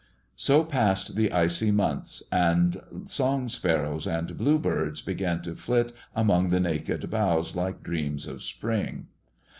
So passed the icy months, and song sparrows and bluebirds began to flit among the naked boughs like dreams of spring.